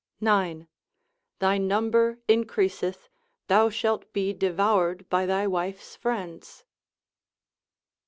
—9. Thy number increaseth, thou shalt be devoured by thy wife's friends.